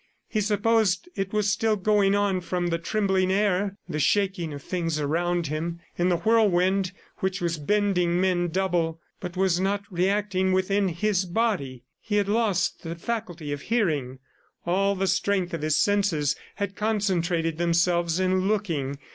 He supposed it was still going on from the trembling air, the shaking of things around him, in the whirlwind which was bending men double but was not reacting within his body. He had lost the faculty of hearing; all the strength of his senses had concentrated themselves in looking.